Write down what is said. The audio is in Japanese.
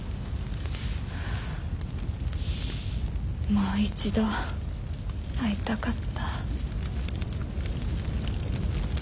もう一度会いたかった。